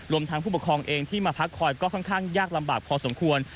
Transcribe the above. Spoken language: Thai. ทางผู้ปกครองเองที่มาพักคอยก็ค่อนข้างยากลำบากพอสมควร